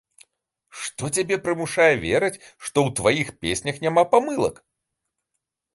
Што цябе прымушае верыць, што ў тваіх песнях няма памылак?